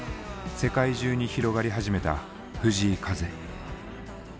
世界中に広がり始めた藤井風。